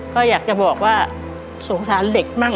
ก็อยากจะบอกว่าสงสารเด็กมั่ง